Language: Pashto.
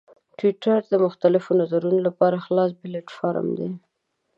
ټویټر د مختلفو نظرونو لپاره خلاص پلیټفارم دی.